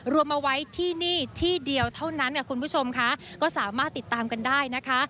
รวมเอาไว้ที่นี่ที่เดียวเท่านั้นคุณผู้ชมค่ะก็สามารถติดตามกันได้นะคะ